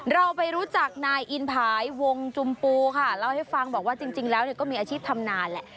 เราไปรู้จักนายอินภายวงจุมปูค่ะเล่าให้ฟังบอกว่าจริงแล้วก็มีอาชีพทำนานแหละ